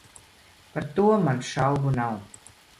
Par to man šaubu nav.